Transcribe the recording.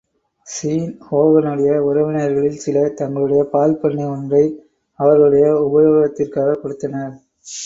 Sean ஹோகனுடைய உறவினர்களில் சிலர் தங்களுடைய பால் பண்ணை ஒன்றை அவர்களுடைய உபயோகத்திற்காகக் கொடுத்தனர்.